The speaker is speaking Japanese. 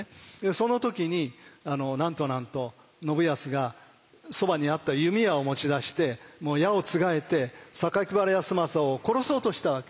その時になんとなんと信康がそばにあった弓矢を持ち出してもう矢をつがえて榊原康政を殺そうとしたわけ。